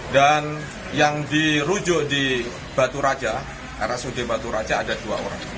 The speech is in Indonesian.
dan yang dirujuk di batu raja rsud batu raja ada dua orang